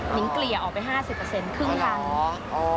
หญิงเกลี่ยออกไป๕๐ครึ่งทางแล้ว